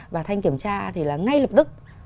và thanh kiểm tra thì là ngay lập tức